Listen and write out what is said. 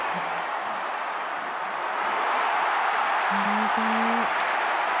本当に。